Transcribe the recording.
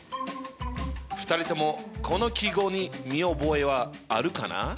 ２人ともこの記号に見覚えはあるかな？